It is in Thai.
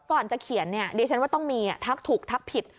ก่อนจะเขียนเนี่ยดิฉันว่าต้องมีทักถูกทักผิด